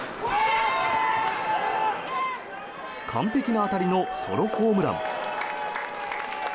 完璧な当たりのソロホームラン。